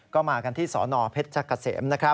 ก็มากันที่สนเพชรเกษม